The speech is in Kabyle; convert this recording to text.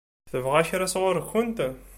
Tebɣa kra sɣur-kent?